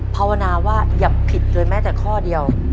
ภาวนาว่าอย่าผิดเลยแม้แต่ข้อเดียว